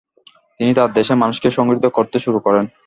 তিনি তার দেশের মানুষকে সংগঠিত করতে শুরু করেন।